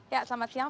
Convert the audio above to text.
ya selamat siang